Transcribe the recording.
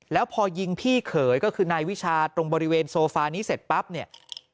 แล้วพอยิงพี่เขยก็คือนายวิชาตรงบริเวณโซฟานี้เสร็จปั๊บเนี่ย